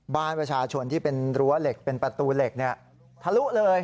บ้านประชาชนที่เป็นรั้วเหล็กเป็นประตูเหล็กทะลุเลย